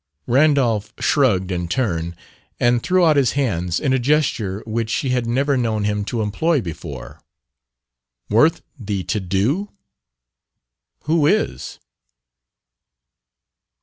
Randolph shrugged in turn, and threw out his hands in a gesture which she had never known him to employ before. "Worth the to do? Who is?"